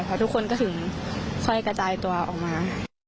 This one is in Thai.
เพราะทุกคนก็ถึงค่อยกระจายตัวออกมา